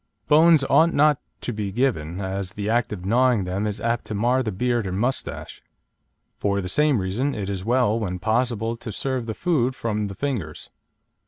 Bones ought not to be given, as the act of gnawing them is apt to mar the beard and moustache. For the same reason it is well when possible to serve the food from the fingers.